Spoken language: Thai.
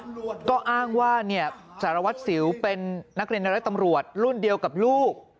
แล้วก็อ้างว่าสารวัตรสิวเป็นนักเรียนในรัฐตำรวจรุ่นเดียวกับลูก